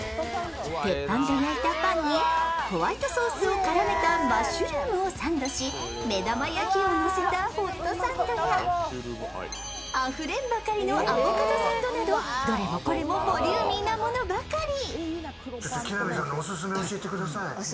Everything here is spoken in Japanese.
鉄板で焼いたパンにホワイトソースを絡めたマッシュルームをサンドし目玉焼きをのせたホットサンドやあふれんばかりのアボカドサンドなどどれもこれもボリューミーなものばかり。